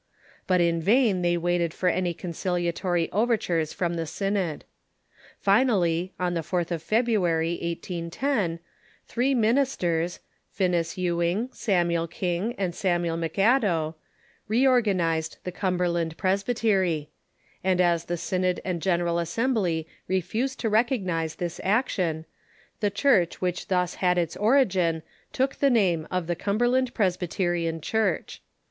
But in vain they waited for any conciliatory overtures from the Synod. Finally, on the 4th of February, 1810, three ministers — Finis Ewing," Samuel King, and Samuel jMcAdow — reorganized the Cumberland Presbytery ; and as the Synod and General Assembly refused to recognize this ac tion, the Church which thus had its origin took the name of the Cumberland Presbyterian Church.